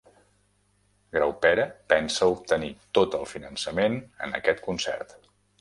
Graupera pensa obtenir tot el finançament en aquest concert